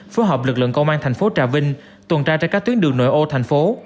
phối hợp lực lượng công an thành phố trà vinh tuần tra trên các tuyến đường nội ô thành phố